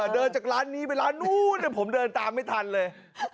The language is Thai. เดินจากร้านนี้ไปร้านนู้นผมเดินตามไม่ทันเลย